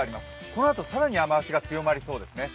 このあと、更に雨足が強まりそうです。